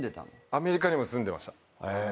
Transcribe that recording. アメリカにも住んでました。